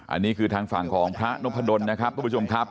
อันนี้คือทางฝั่งของพระนพดลนะครับทุกผู้ชมครับ